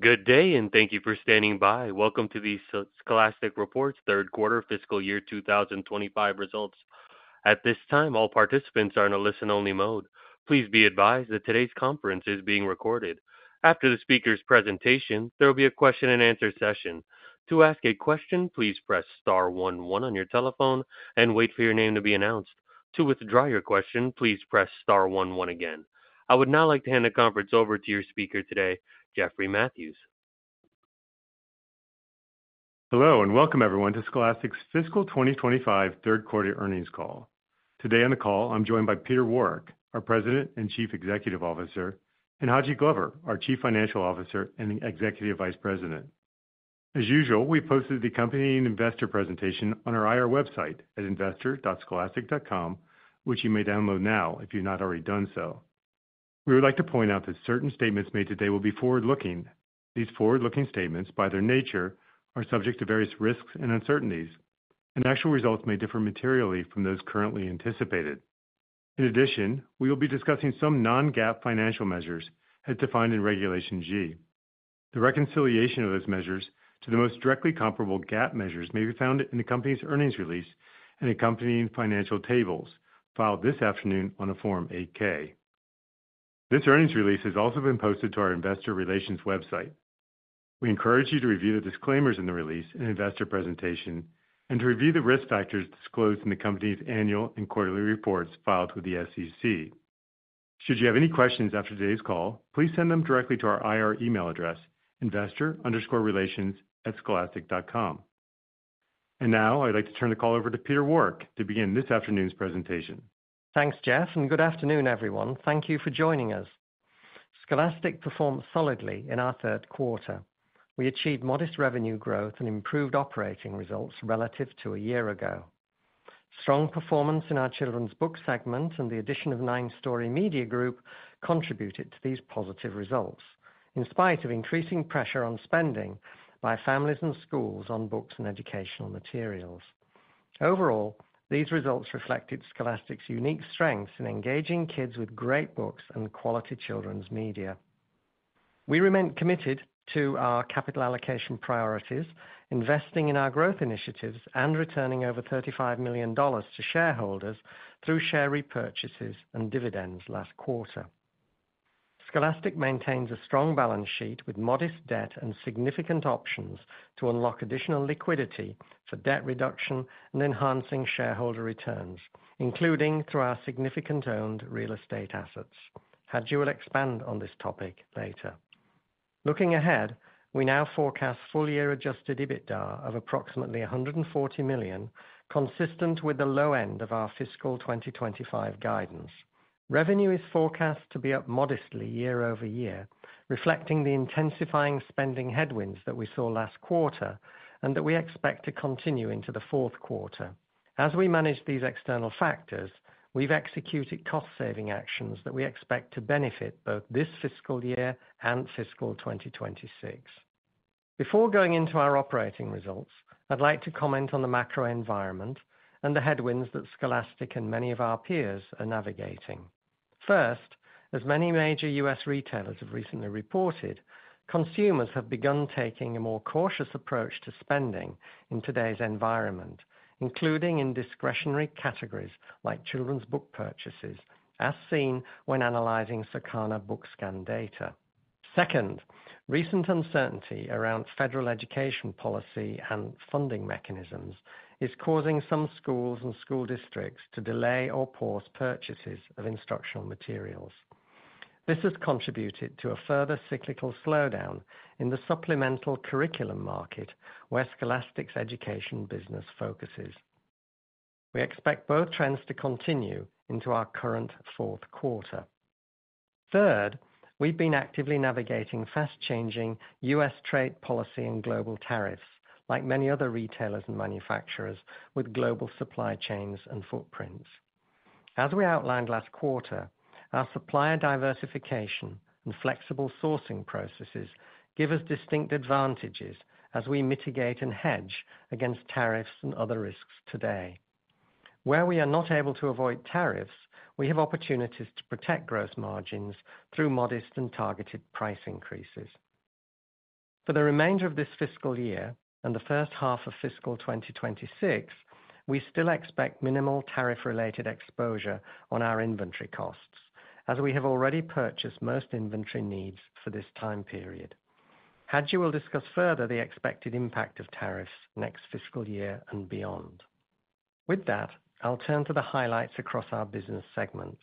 Good day, and thank you for standing by. Welcome to the Scholastic Corporation's third quarter fiscal year 2025 results. At this time, all participants are in a listen-only mode. Please be advised that today's conference is being recorded. After the speaker's presentation, there will be a question-and-answer session. To ask a question, please press star 11 on your telephone and wait for your name to be announced. To withdraw your question, please press star one one again. I would now like to hand the conference over to your speaker today, Jeffrey Mathews. Hello and welcome, everyone, to Scholastic's fiscal 2025 third quarter earnings call. Today on the call, I'm joined by Peter Warwick, our President and Chief Executive Officer, and Haji Glover, our Chief Financial Officer and Executive Vice President. As usual, we posted the accompanying investor presentation on our IR website at investor.scholastic.com, which you may download now if you've not already done so. We would like to point out that certain statements made today will be forward-looking. These forward-looking statements, by their nature, are subject to various risks and uncertainties, and actual results may differ materially from those currently anticipated. In addition, we will be discussing some non-GAAP financial measures as defined in Regulation G. The reconciliation of those measures to the most directly comparable GAAP measures may be found in the company's earnings release and accompanying financial tables filed this afternoon on a Form 8-K. This earnings release has also been posted to our investor relations website. We encourage you to review the disclaimers in the release and investor presentation and to review the risk factors disclosed in the company's annual and quarterly reports filed with the SEC. Should you have any questions after today's call, please send them directly to our IR email address, investor_relations@scholastic.com. I would like to turn the call over to Peter Warwick to begin this afternoon's presentation. Thanks, Jeff, and good afternoon, everyone. Thank you for joining us. Scholastic performed solidly in our third quarter. We achieved modest revenue growth and improved operating results relative to a year ago. Strong performance in our children's book segment and the addition of Nine Story Media Group contributed to these positive results, in spite of increasing pressure on spending by families and schools on books and educational materials. Overall, these results reflected Scholastic's unique strengths in engaging kids with great books and quality children's media. We remain committed to our capital allocation priorities, investing in our growth initiatives and returning over $35 million to shareholders through share repurchases and dividends last quarter. Scholastic maintains a strong balance sheet with modest debt and significant options to unlock additional liquidity for debt reduction and enhancing shareholder returns, including through our significant owned real estate assets. Haji will expand on this topic later. Looking ahead, we now forecast full-year adjusted EBITDA of approximately $140 million, consistent with the low end of our fiscal 2025 guidance. Revenue is forecast to be up modestly year-over-year, reflecting the intensifying spending headwinds that we saw last quarter and that we expect to continue into the fourth quarter. As we manage these external factors, we've executed cost-saving actions that we expect to benefit both this fiscal year and fiscal 2026. Before going into our operating results, I'd like to comment on the macro environment and the headwinds that Scholastic and many of our peers are navigating. First, as many major US retailers have recently reported, consumers have begun taking a more cautious approach to spending in today's environment, including in discretionary categories like children's book purchases, as seen when analyzing Circana BookScan data. Second, recent uncertainty around federal education policy and funding mechanisms is causing some schools and school districts to delay or pause purchases of instructional materials. This has contributed to a further cyclical slowdown in the supplemental curriculum market where Scholastic's education business focuses. We expect both trends to continue into our current fourth quarter. Third, we've been actively navigating fast-changing U.S. trade policy and global tariffs, like many other retailers and manufacturers with global supply chains and footprints. As we outlined last quarter, our supplier diversification and flexible sourcing processes give us distinct advantages as we mitigate and hedge against tariffs and other risks today. Where we are not able to avoid tariffs, we have opportunities to protect gross margins through modest and targeted price increases. For the remainder of this fiscal year and the first half of fiscal 2026, we still expect minimal tariff-related exposure on our inventory costs, as we have already purchased most inventory needs for this time period. Haji will discuss further the expected impact of tariffs next fiscal year and beyond. With that, I'll turn to the highlights across our business segments.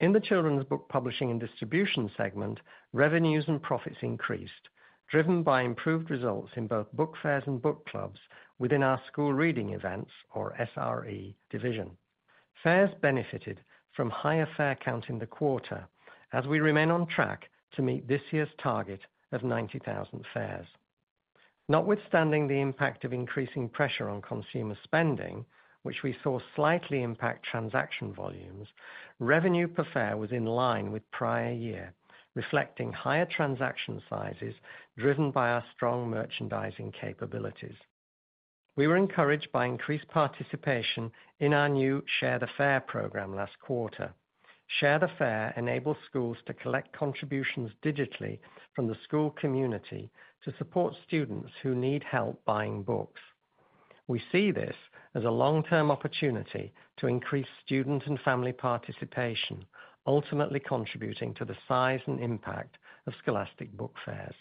In the Children's Book Publishing and Distribution segment, revenues and profits increased, driven by improved results in both book fairs and book clubs within our School Reading Events, or SRE, division. Fairs benefited from higher fair count in the quarter, as we remain on track to meet this year's target of 90,000 fairs. Notwithstanding the impact of increasing pressure on consumer spending, which we saw slightly impact transaction volumes, revenue per fair was in line with prior year, reflecting higher transaction sizes driven by our strong merchandising capabilities. We were encouraged by increased participation in our new Share the Fair program last quarter. Share the Fair enables schools to collect contributions digitally from the school community to support students who need help buying books. We see this as a long-term opportunity to increase student and family participation, ultimately contributing to the size and impact of Scholastic book fairs.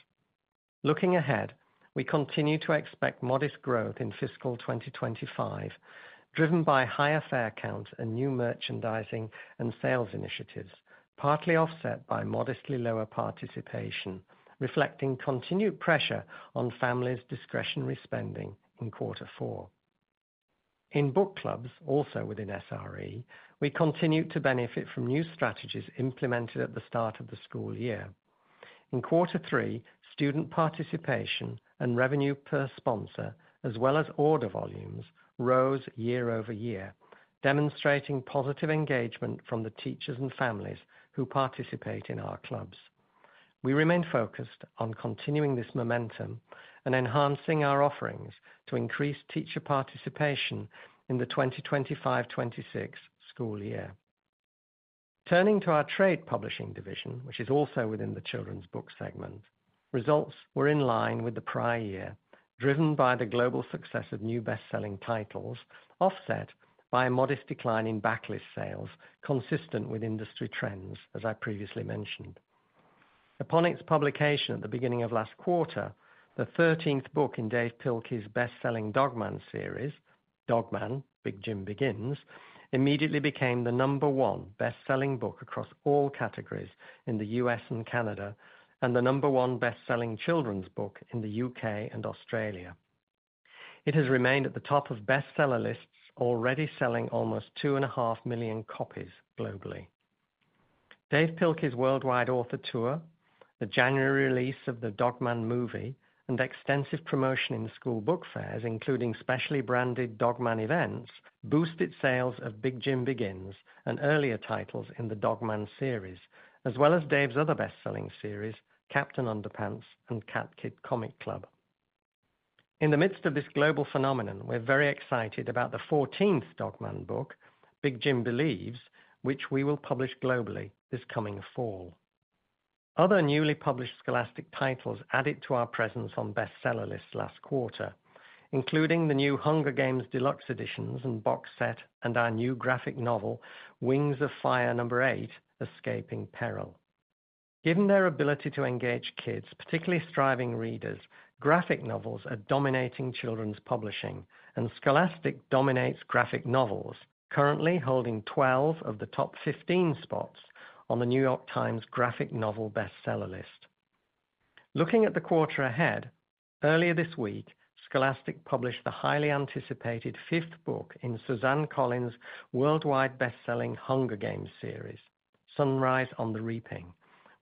Looking ahead, we continue to expect modest growth in fiscal 2025, driven by higher fair count and new merchandising and sales initiatives, partly offset by modestly lower participation, reflecting continued pressure on families' discretionary spending in quarter four. In book clubs, also within SRE, we continue to benefit from new strategies implemented at the start of the school year. In quarter three, student participation and revenue per sponsor, as well as order volumes, rose year-over-year, demonstrating positive engagement from the teachers and families who participate in our clubs. We remain focused on continuing this momentum and enhancing our offerings to increase teacher participation in the 2025-2026 school year. Turning to our trade publishing division, which is also within the children's book segment, results were in line with the prior year, driven by the global success of new bestselling titles, offset by a modest decline in backlist sales, consistent with industry trends, as I previously mentioned. Upon its publication at the beginning of last quarter, the 13th book in Dav Pilkey's bestselling Dog Man series, Dog Man: Big Jim Begins, immediately became the number one bestselling book across all categories in the U.S. and Canada, and the number one bestselling children's book in the U.K. and Australia. It has remained at the top of bestseller lists, already selling almost two and a half million copies globally. Dav Pilkey's worldwide author tour, the January release of the Dog Man movie, and extensive promotion in school book fairs, including specially branded Dog Man events, boosted sales of Big Jim Begins and earlier titles in the Dog Man series, as well as Dav's other bestselling series, Captain Underpants and Cat Kid Comic Club. In the midst of this global phenomenon, we're very excited about the 14th Dog Man book, Big Jim Believes, which we will publish globally this coming fall. Other newly published Scholastic titles added to our presence on bestseller lists last quarter, including the new Hunger Games Deluxe Editions and Box Set, and our new graphic novel, Wings of Fire number eight, Escaping Peril. Given their ability to engage kids, particularly striving readers, graphic novels are dominating children's publishing, and Scholastic dominates graphic novels, currently holding 12 of the top 15 spots on the New York Times graphic novel bestseller list. Looking at the quarter ahead, earlier this week, Scholastic published the highly anticipated fifth book in Suzanne Collins' worldwide bestselling Hunger Games series, Sunrise on the Reaping,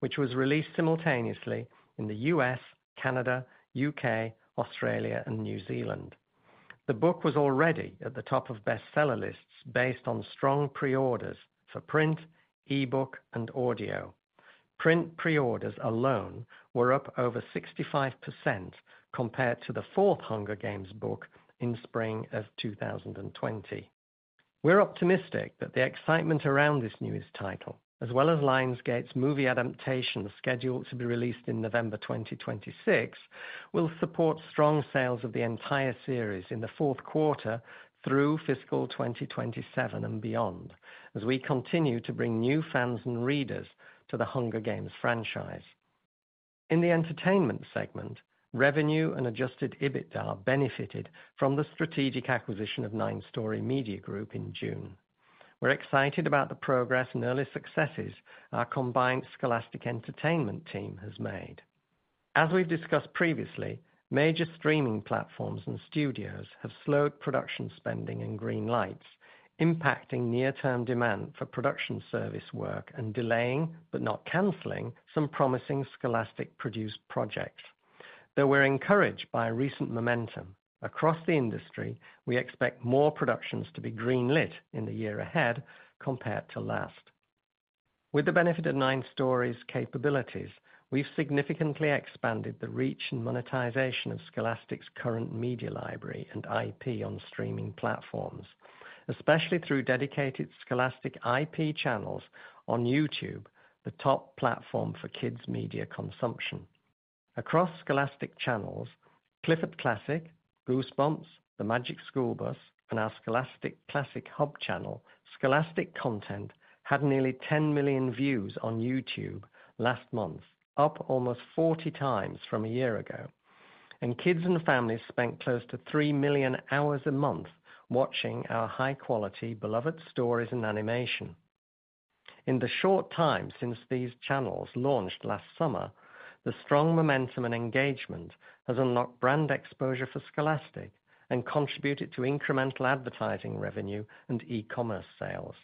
which was released simultaneously in the U.S., Canada, U.K., Australia, and New Zealand. The book was already at the top of bestseller lists based on strong pre-orders for print, ebook, and audio. Print pre-orders alone were up over 65% compared to the fourth Hunger Games book in spring of 2020. We're optimistic that the excitement around this newest title, as well as Lionsgate's movie adaptation scheduled to be released in November 2026, will support strong sales of the entire series in the fourth quarter through fiscal 2027 and beyond, as we continue to bring new fans and readers to the Hunger Games franchise. In the Entertainment Segment, revenue and adjusted EBITDA benefited from the strategic acquisition of Nine Story Media Group in June. We're excited about the progress and early successes our combined Scholastic Entertainment team has made. As we've discussed previously, major streaming platforms and studios have slowed production spending and green lights, impacting near-term demand for production service work and delaying, but not canceling, some promising Scholastic-produced projects. Though we're encouraged by recent momentum across the industry, we expect more productions to be greenlit in the year ahead compared to last. With the benefit of Nine Story's capabilities, we've significantly expanded the reach and monetization of Scholastic's current media library and IP on streaming platforms, especially through dedicated Scholastic IP channels on YouTube, the top platform for kids' media consumption. Across Scholastic channels, Clifford Classic, Goosebumps, The Magic School Bus, and our Scholastic Classic Hub channel, Scholastic content had nearly 10 million views on YouTube last month, up almost 40 times from a year ago. Kids and families spent close to 3 million hours a month watching our high-quality beloved stories and animation. In the short time since these channels launched last summer, the strong momentum and engagement has unlocked brand exposure for Scholastic and contributed to incremental advertising revenue and e-commerce sales.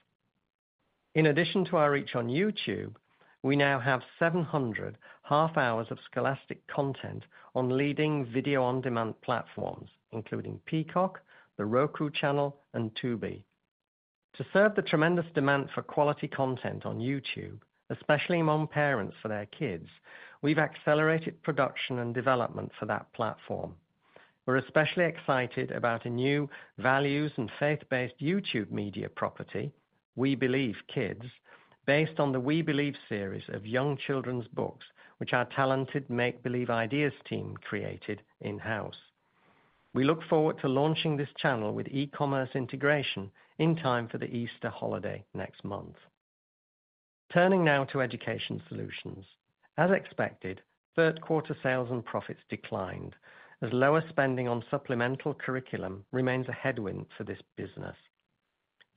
In addition to our reach on YouTube, we now have 700 half-hours of Scholastic content on leading video on-demand platforms, including Peacock, The Roku Channel, and Tubi. To serve the tremendous demand for quality content on YouTube, especially among parents for their kids, we've accelerated production and development for that platform. We're especially excited about a new values and faith-based YouTube media property, We Believe Kids, based on the We Believe series of young children's books, which our talented Make Believe Ideas team created in-house. We look forward to launching this channel with e-commerce integration in time for the Easter holiday next month. Turning now to Education Solutions. As expected, third quarter sales and profits declined, as lower spending on supplemental curriculum remains a headwind for this business.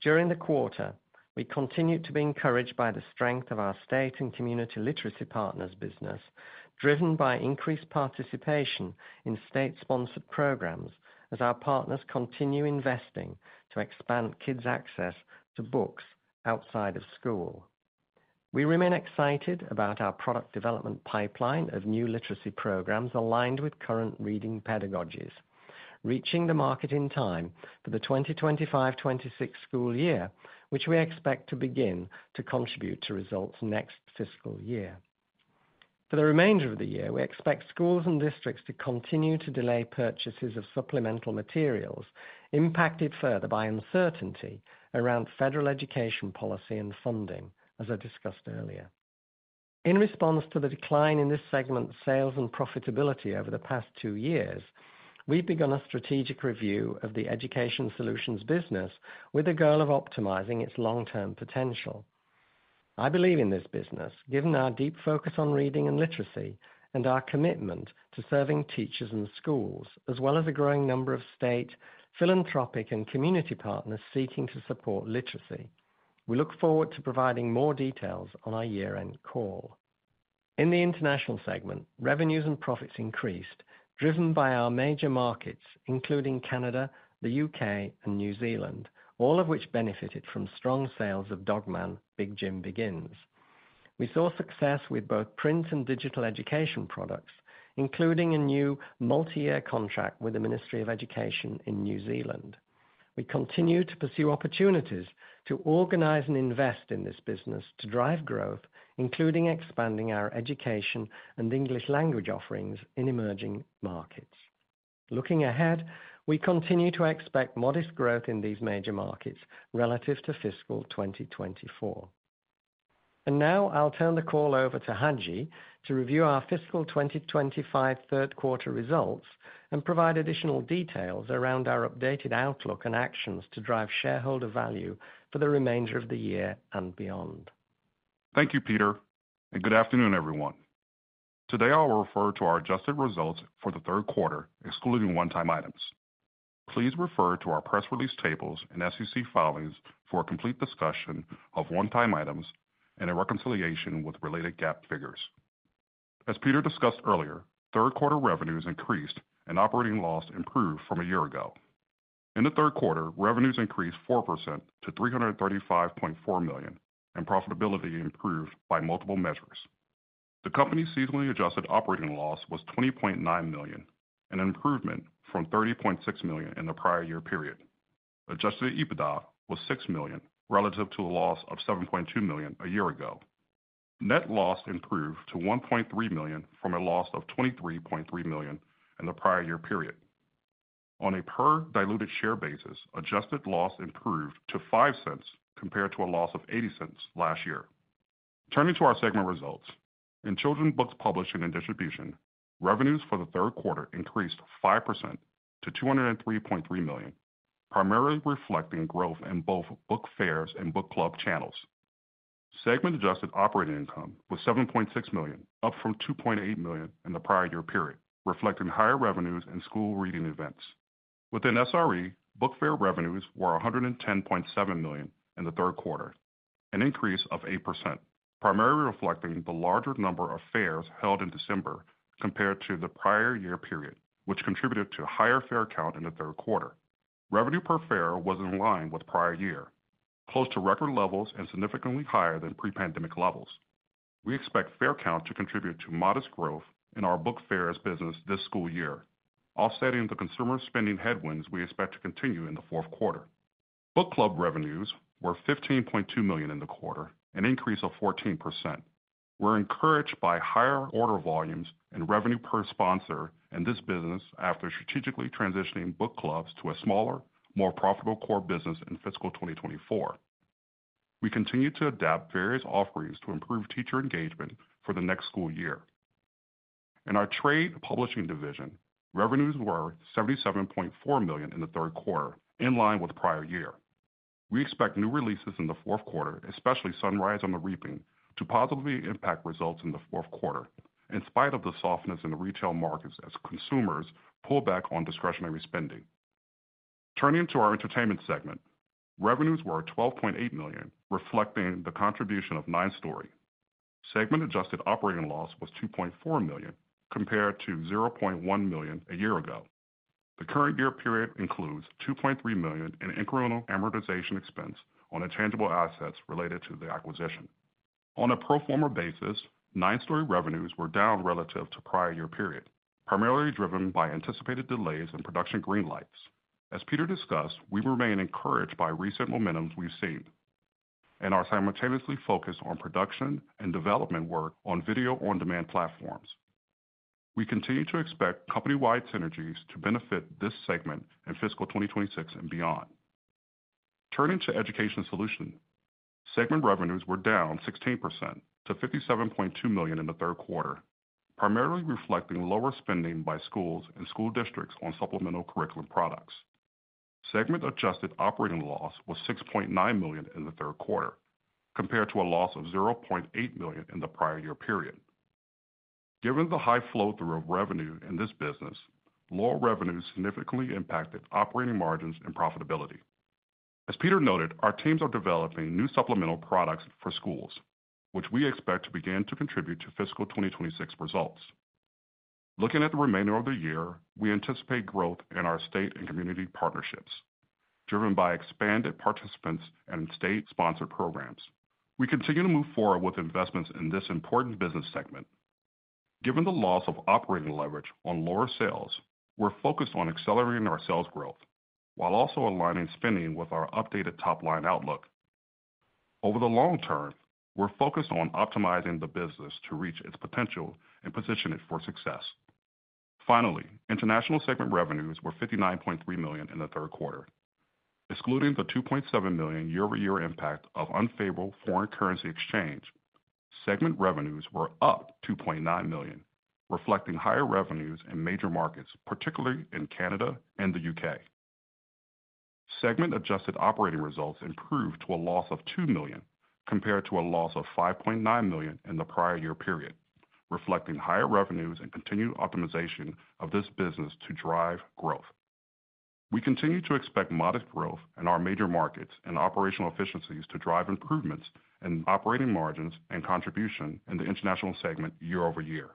During the quarter, we continue to be encouraged by the strength of our state and community literacy partners business, driven by increased participation in state-sponsored programs, as our partners continue investing to expand kids' access to books outside of school. We remain excited about our product development pipeline of new literacy programs aligned with current reading pedagogies, reaching the market in time for the 2025-2026 school year, which we expect to begin to contribute to results next fiscal year. For the remainder of the year, we expect schools and districts to continue to delay purchases of supplemental materials, impacted further by uncertainty around federal education policy and funding, as I discussed earlier. In response to the decline in this segment's sales and profitability over the past two years, we've begun a strategic review of the Education Solutions business with a goal of optimizing its long-term potential. I believe in this business, given our deep focus on reading and literacy and our commitment to serving teachers and schools, as well as a growing number of state philanthropic and community partners seeking to support literacy. We look forward to providing more details on our year-end call. In the International Segment, revenues and profits increased, driven by our major markets, including Canada, the U.K., and New Zealand, all of which benefited from strong sales of Dog Man: Big Jim Begins. We saw success with both print and digital education products, including a new multi-year contract with the Ministry of Education in New Zealand. We continue to pursue opportunities to organize and invest in this business to drive growth, including expanding our education and English language offerings in emerging markets. Looking ahead, we continue to expect modest growth in these major markets relative to fiscal 2024. I will now turn the call over to Haji to review our fiscal 2025 third quarter results and provide additional details around our updated outlook and actions to drive shareholder value for the remainder of the year and beyond. Thank you, Peter, and good afternoon, everyone. Today, I will refer to our adjusted results for the third quarter, excluding one-time items. Please refer to our press release tables and SEC filings for a complete discussion of one-time items and a reconciliation with related GAAP figures. As Peter discussed earlier, third quarter revenues increased and operating loss improved from a year ago. In the third quarter, revenues increased 4% to $335.4 million, and profitability improved by multiple measures. The company's seasonally adjusted operating loss was $20.9 million, an improvement from $30.6 million in the prior year period. Adjusted EBITDA was $6 million relative to a loss of $7.2 million a year ago. Net loss improved to $1.3 million from a loss of $23.3 million in the prior year period. On a per-diluted share basis, adjusted loss improved to $0.05 compared to a loss of $0.80 last year. Turning to our segment results, in Children's Book Publishing and Distribution, revenues for the third quarter increased 5% to $203.3 million, primarily reflecting growth in both book fairs and book club channels. Segment-adjusted operating income was $7.6 million, up from $2.8 million in the prior year period, reflecting higher revenues in school reading events. Within SRE, book fair revenues were $110.7 million in the third quarter, an increase of 8%, primarily reflecting the larger number of fairs held in December compared to the prior year period, which contributed to a higher fair count in the third quarter. Revenue per fair was in line with prior year, close to record levels and significantly higher than pre-pandemic levels. We expect fair count to contribute to modest growth in our book fairs business this school year, offsetting the consumer spending headwinds we expect to continue in the fourth quarter. Book club revenues were $15.2 million in the quarter, an increase of 14%. We're encouraged by higher order volumes and revenue per sponsor in this business after strategically transitioning book clubs to a smaller, more profitable core business in fiscal 2024. We continue to adapt various offerings to improve teacher engagement for the next school year. In our Trade Publishing division, revenues were $77.4 million in the third quarter, in line with prior year. We expect new releases in the fourth quarter, especially Sunrise on the Reaping, to positively impact results in the fourth quarter, in spite of the softness in the retail markets as consumers pull back on discretionary spending. Turning to our Entertainment Segment, revenues were $12.8 million, reflecting the contribution of Nine Story Media Group. Segment-adjusted operating loss was $2.4 million compared to $0.1 million a year ago. The current year period includes $2.3 million in incremental amortization expense on intangible assets related to the acquisition. On a pro forma basis, Nine Story revenues were down relative to prior year period, primarily driven by anticipated delays and production greenlights. As Peter discussed, we remain encouraged by recent momentums we've seen and are simultaneously focused on production and development work on video on-demand platforms. We continue to expect company-wide synergies to benefit this segment in fiscal 2026 and beyond. Turning to education solutions, segment revenues were down 16% to $57.2 million in the third quarter, primarily reflecting lower spending by schools and school districts on supplemental curriculum products. Segment-adjusted operating loss was $6.9 million in the third quarter, compared to a loss of $0.8 million in the prior year period. Given the high flow-through of revenue in this business, lower revenues significantly impacted operating margins and profitability. As Peter noted, our teams are developing new supplemental products for schools, which we expect to begin to contribute to fiscal 2026 results. Looking at the remainder of the year, we anticipate growth in our state and community partnerships, driven by expanded participants and state-sponsored programs. We continue to move forward with investments in this important business segment. Given the loss of operating leverage on lower sales, we're focused on accelerating our sales growth while also aligning spending with our updated top-line outlook. Over the long term, we're focused on optimizing the business to reach its potential and position it for success. Finally, International Segment revenues were $59.3 million in the third quarter. Excluding the $2.7 million year-over-year impact of unfavorable foreign currency exchange, segment revenues were up $2.9 million, reflecting higher revenues in major markets, particularly in Canada and the U.K. Segment-adjusted operating results improved to a loss of $2 million compared to a loss of $5.9 million in the prior year period, reflecting higher revenues and continued optimization of this business to drive growth. We continue to expect modest growth in our major markets and operational efficiencies to drive improvements in operating margins and contribution in the International Segment year-over-year.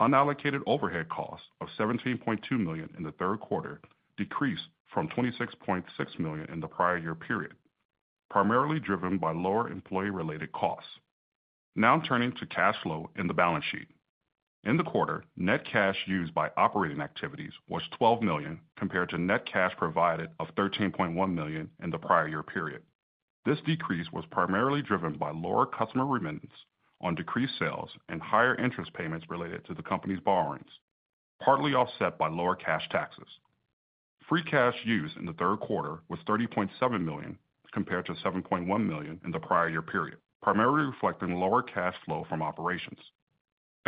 Unallocated overhead costs of $17.2 million in the third quarter decreased from $26.6 million in the prior year period, primarily driven by lower employee-related costs. Now turning to cash flow in the balance sheet. In the quarter, net cash used by operating activities was $12 million compared to net cash provided of $13.1 million in the prior year period. This decrease was primarily driven by lower customer remittance on decreased sales and higher interest payments related to the company's borrowings, partly offset by lower cash taxes. Free cash used in the third quarter was $30.7 million compared to $7.1 million in the prior year period, primarily reflecting lower cash flow from operations.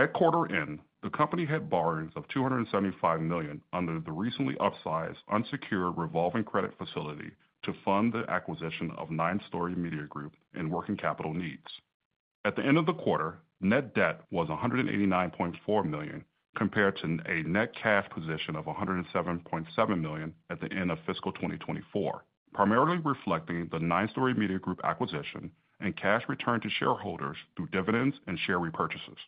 At quarter end, the company had borrowings of $275 million under the recently upsized unsecured revolving credit facility to fund the acquisition of Nine Story Media Group and working capital needs. At the end of the quarter, net debt was $189.4 million compared to a net cash position of $107.7 million at the end of fiscal 2024, primarily reflecting the Nine Story Media Group acquisition and cash return to shareholders through dividends and share repurchases.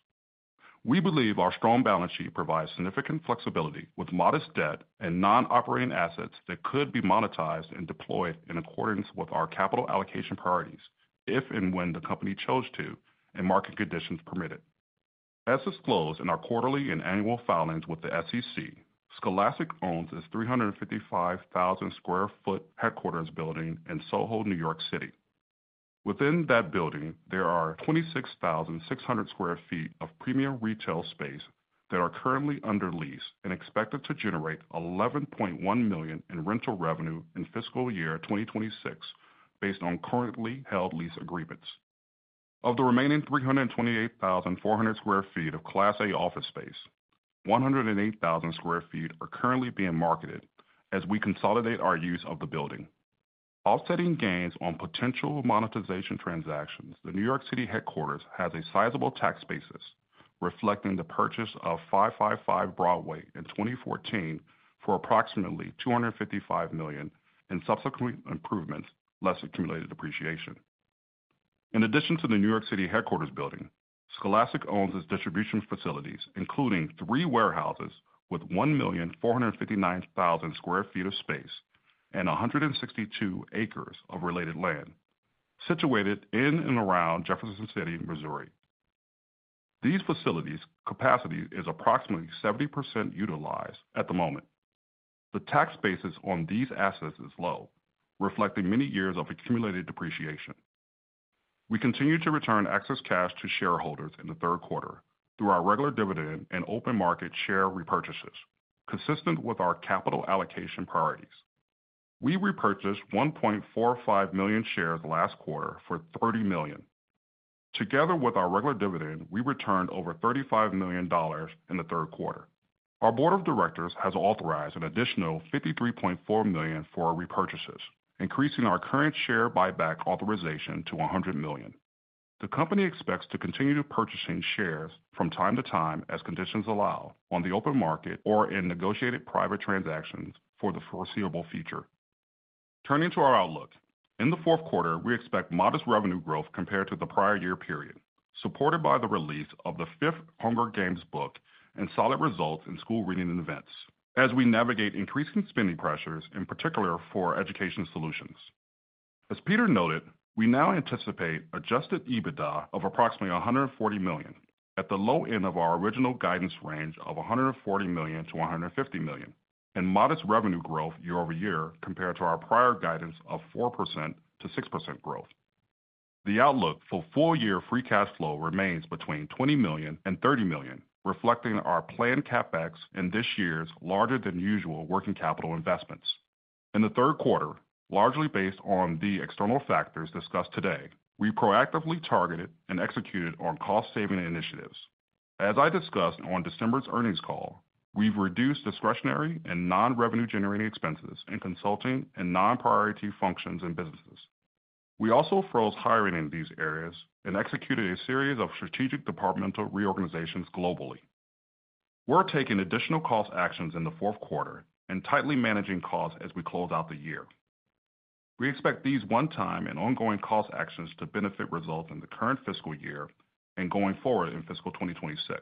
We believe our strong balance sheet provides significant flexibility with modest debt and non-operating assets that could be monetized and deployed in accordance with our capital allocation priorities, if and when the company chose to and market conditions permitted. As disclosed in our quarterly and annual filings with the SEC, Scholastic owns its 355,000 sq ft headquarters building in Soho, New York City. Within that building, there are 26,600 sq ft of premium retail space that are currently under lease and expected to generate $11.1 million in rental revenue in fiscal year 2026 based on currently held lease agreements. Of the remaining 328,400 sq ft of Class A office space, 108,000 sq ft are currently being marketed as we consolidate our use of the building. Offsetting gains on potential monetization transactions, the New York City headquarters has a sizable tax basis, reflecting the purchase of 555 Broadway in 2014 for approximately $255 million in subsequent improvements less accumulated depreciation. In addition to the New York City headquarters building, Scholastic owns its distribution facilities, including three warehouses with 1,459,000 sq ft of space and 162 acres of related land, situated in and around Jefferson City, Missouri. These facilities' capacity is approximately 70% utilized at the moment. The tax basis on these assets is low, reflecting many years of accumulated depreciation. We continue to return excess cash to shareholders in the third quarter through our regular dividend and open market share repurchases, consistent with our capital allocation priorities. We repurchased 1.45 million shares last quarter for $30 million. Together with our regular dividend, we returned over $35 million in the third quarter. Our board of directors has authorized an additional $53.4 million for repurchases, increasing our current share buyback authorization to $100 million. The company expects to continue purchasing shares from time to time as conditions allow on the open market or in negotiated private transactions for the foreseeable future. Turning to our outlook, in the fourth quarter, we expect modest revenue growth compared to the prior year period, supported by the release of the fifth Hunger Games book and solid results in school reading events as we navigate increasing spending pressures, in particular for Education Solutions. As Peter noted, we now anticipate adjusted EBITDA of approximately $140 million at the low end of our original guidance range of $140 million-$150 million, and modest revenue growth year-over-year compared to our prior guidance of 4%-6% growth. The outlook for full-year free cash flow remains between $20 million and $30 million, reflecting our planned CapEx in this year's larger-than-usual working capital investments. In the third quarter, largely based on the external factors discussed today, we proactively targeted and executed on cost-saving initiatives. As I discussed on December's earnings call, we've reduced discretionary and non-revenue-generating expenses in consulting and non-priority functions in businesses. We also froze hiring in these areas and executed a series of strategic departmental reorganizations globally. We are taking additional cost actions in the fourth quarter and tightly managing costs as we close out the year. We expect these one-time and ongoing cost actions to benefit results in the current fiscal year and going forward in fiscal 2026.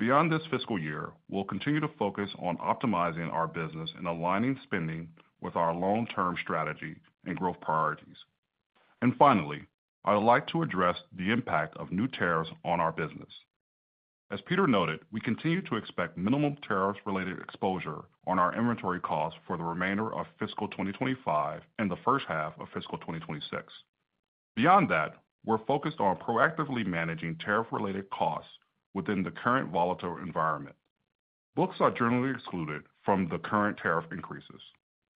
Beyond this fiscal year, we will continue to focus on optimizing our business and aligning spending with our long-term strategy and growth priorities. Finally, I would like to address the impact of new tariffs on our business. As Peter noted, we continue to expect minimum tariff-related exposure on our inventory costs for the remainder of fiscal 2025 and the first half of fiscal 2026. Beyond that, we're focused on proactively managing tariff-related costs within the current volatile environment. Books are generally excluded from the current tariff increases.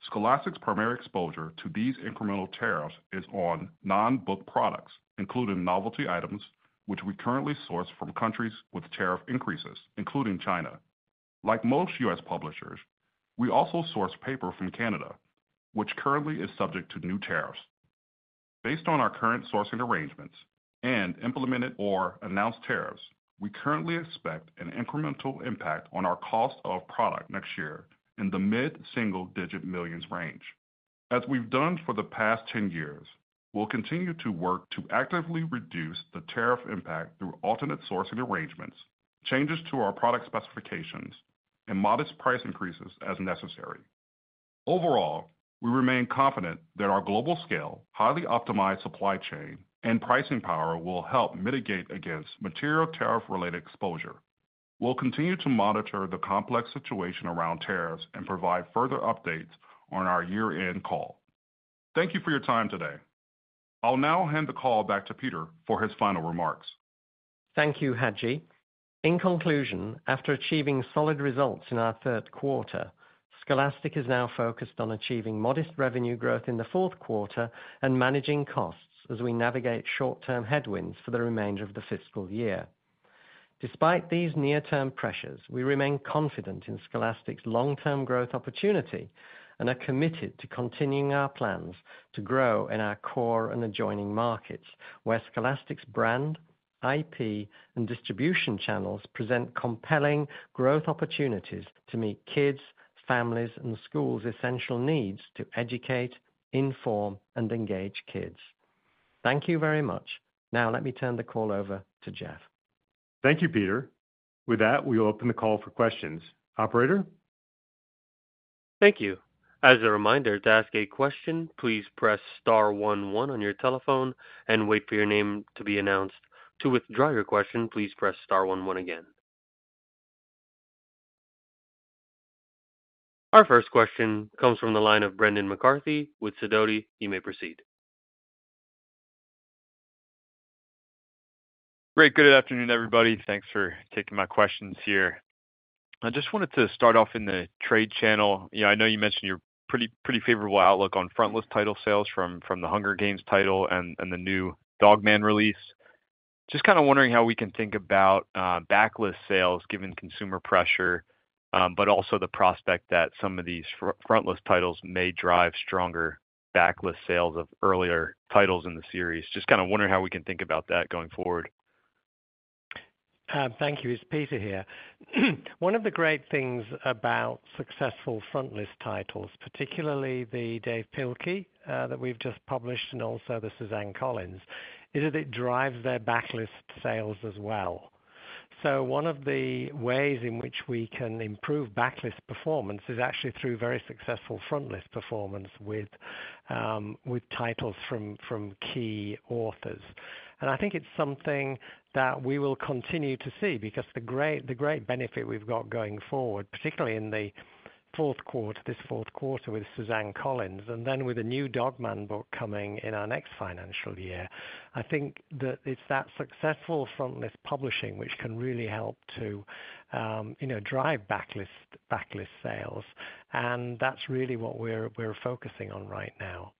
Scholastic's primary exposure to these incremental tariffs is on non-book products, including novelty items, which we currently source from countries with tariff increases, including China. Like most U.S. publishers, we also source paper from Canada, which currently is subject to new tariffs. Based on our current sourcing arrangements and implemented or announced tariffs, we currently expect an incremental impact on our cost of product next year in the mid-single-digit millions range. As we've done for the past 10 years, we'll continue to work to actively reduce the tariff impact through alternate sourcing arrangements, changes to our product specifications, and modest price increases as necessary. Overall, we remain confident that our global scale, highly optimized supply chain, and pricing power will help mitigate against material tariff-related exposure. We'll continue to monitor the complex situation around tariffs and provide further updates on our year-end call. Thank you for your time today. I'll now hand the call back to Peter for his final remarks. Thank you, Haji. In conclusion, after achieving solid results in our third quarter, Scholastic is now focused on achieving modest revenue growth in the fourth quarter and managing costs as we navigate short-term headwinds for the remainder of the fiscal year. Despite these near-term pressures, we remain confident in Scholastic's long-term growth opportunity and are committed to continuing our plans to grow in our core and adjoining markets, where Scholastic's brand, IP, and distribution channels present compelling growth opportunities to meet kids, families, and schools' essential needs to educate, inform, and engage kids. Thank you very much. Now, let me turn the call over to Jeff. Thank you, Peter. With that, we'll open the call for questions. Operator? Thank you. As a reminder, to ask a question, please press star 11 on your telephone and wait for your name to be announced. To withdraw your question, please press star 11 again. Our first question comes from the line of Brendan McCarthy with Sidoti. You may proceed. Great. Good afternoon, everybody. Thanks for taking my questions here. I just wanted to start off in the trade channel. I know you mentioned your pretty favorable outlook on frontlist title sales from the Hunger Games title and the new Dog Man release. Just kind of wondering how we can think about backlist sales given consumer pressure, but also the prospect that some of these frontlist titles may drive stronger backlist sales of earlier titles in the series. Just kind of wondering how we can think about that going forward. Thank you. It's Peter here. One of the great things about successful frontlist titles, particularly the Dav Pilkey that we've just published and also the Suzanne Collins, is that it drives their backlist sales as well. One of the ways in which we can improve backlist performance is actually through very successful frontlist performance with titles from key authors. I think it's something that we will continue to see because the great benefit we've got going forward, particularly in the fourth quarter, this fourth quarter with Suzanne Collins, and then with a new Dog Man book coming in our next financial year, I think that it's that successful frontlist publishing which can really help to drive backlist sales. That's really what we're focusing on right now.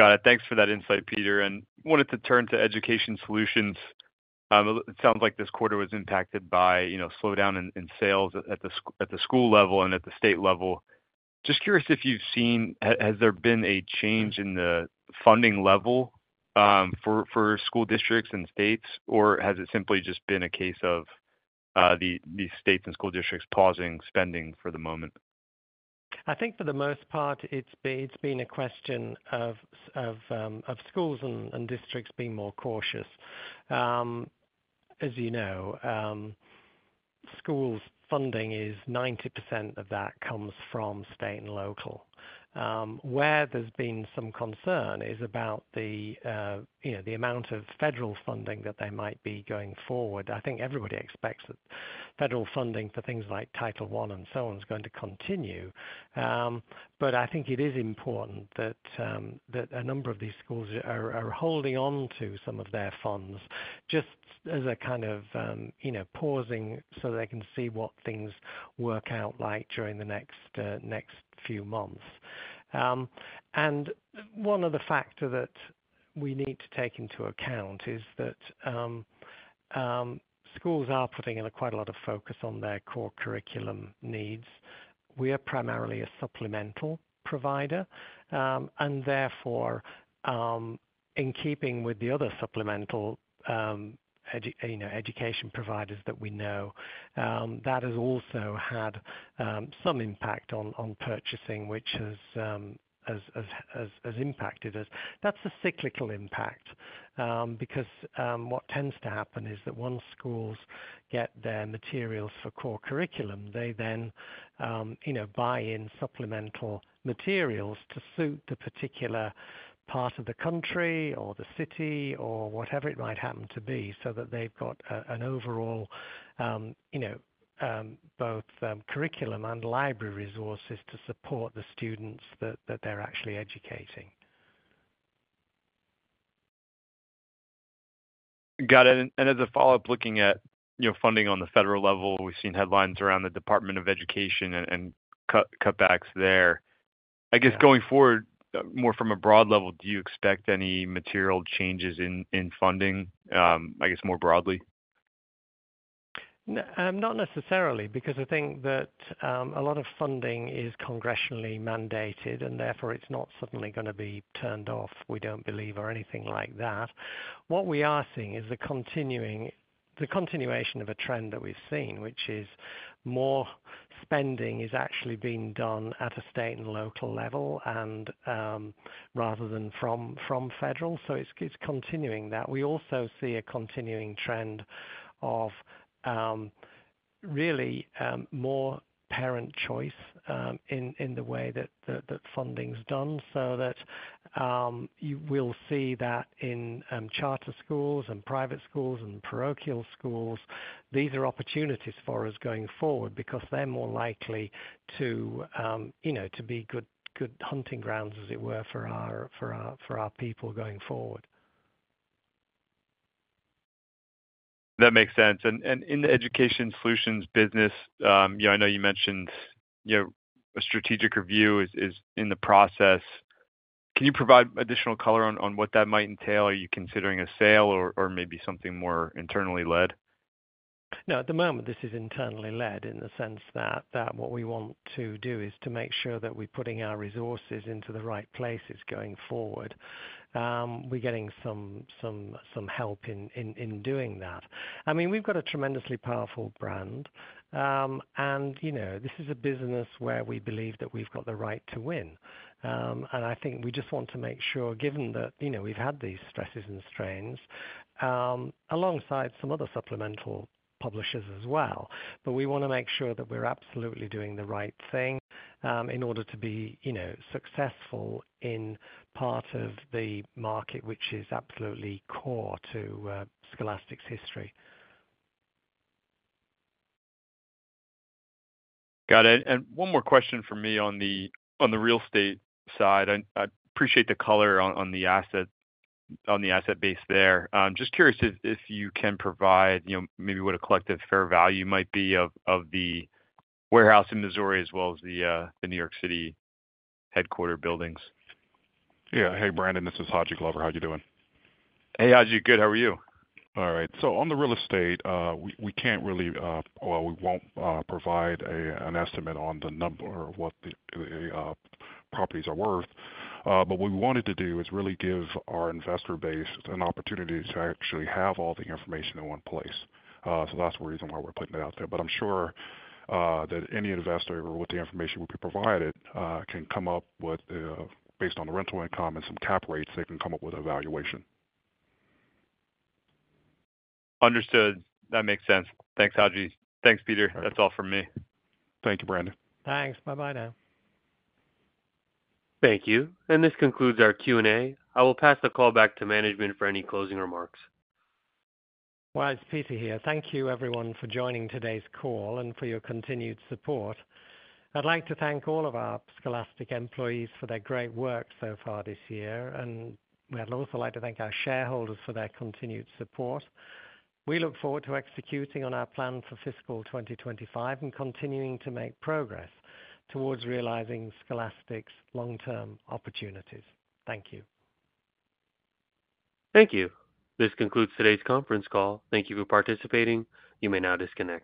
Got it. Thanks for that insight, Peter. I wanted to turn to Education Solutions. It sounds like this quarter was impacted by slowdown in sales at the school level and at the state level. Just curious if you've seen, has there been a change in the funding level for school districts and states, or has it simply just been a case of these states and school districts pausing spending for the moment? I think for the most part, it's been a question of schools and districts being more cautious. As you know, schools' funding is 90% of that comes from state and local. Where there's been some concern is about the amount of federal funding that there might be going forward. I think everybody expects that federal funding for things like Title I and so on is going to continue. I think it is important that a number of these schools are holding on to some of their funds just as a kind of pausing so they can see what things work out like during the next few months. One other factor that we need to take into account is that schools are putting in quite a lot of focus on their core curriculum needs. We are primarily a supplemental provider, and therefore, in keeping with the other supplemental education providers that we know, that has also had some impact on purchasing, which has impacted us. That is a cyclical impact because what tends to happen is that once schools get their materials for core curriculum, they then buy in supplemental materials to suit the particular part of the country or the city or whatever it might happen to be so that they have got an overall both curriculum and library resources to support the students that they are actually educating. Got it. As a follow-up, looking at funding on the federal level, we have seen headlines around the Department of Education and cutbacks there. I guess going forward, more from a broad level, do you expect any material changes in funding, I guess, more broadly? Not necessarily because I think that a lot of funding is congressionally mandated, and therefore, it's not suddenly going to be turned off, we don't believe, or anything like that. What we are seeing is the continuation of a trend that we've seen, which is more spending is actually being done at a state and local level rather than from federal. It is continuing that. We also see a continuing trend of really more parent choice in the way that funding's done so that you will see that in charter schools and private schools and parochial schools. These are opportunities for us going forward because they're more likely to be good hunting grounds, as it were, for our people going forward. That makes sense. In the Education Solutions business, I know you mentioned a strategic review is in the process. Can you provide additional color on what that might entail? Are you considering a sale or maybe something more internally led? No, at the moment, this is internally led in the sense that what we want to do is to make sure that we're putting our resources into the right places going forward. We're getting some help in doing that. I mean, we've got a tremendously powerful brand, and this is a business where we believe that we've got the right to win. I think we just want to make sure, given that we've had these stresses and strains, alongside some other supplemental publishers as well. We want to make sure that we're absolutely doing the right thing in order to be successful in part of the market, which is absolutely core to Scholastic's history. Got it. One more question for me on the real estate side. I appreciate the color on the asset base there. Just curious if you can provide maybe what a collective fair value might be of the warehouse in Missouri as well as the New York City headquarter buildings. Yeah. Hey, Brendan. This is Haji Glover. How are you doing? Hey, Haji. Good. How are you? All right. On the real estate, we can't really, we won't provide an estimate on the number of what the properties are worth. What we wanted to do is really give our investor base an opportunity to actually have all the information in one place. That's the reason why we're putting it out there. I'm sure that any investor with the information we provided can come up with, based on the rental income and some cap rates, they can come up with an evaluation. Understood. That makes sense. Thanks, Haji. Thanks, Peter. That's all from me. Thank you, Brendan. Thanks. Bye-bye now. Thank you. This concludes our Q&A. I will pass the call back to management for any closing remarks. It's Peter here. Thank you, everyone, for joining today's call and for your continued support. I'd like to thank all of our Scholastic employees for their great work so far this year. We would also like to thank our shareholders for their continued support. We look forward to executing on our plan for fiscal 2025 and continuing to make progress towards realizing Scholastic's long-term opportunities. Thank you. Thank you. This concludes today's conference call. Thank you for participating. You may now disconnect.